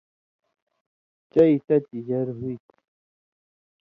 چئ تتیۡ ژر ہُوئ تھی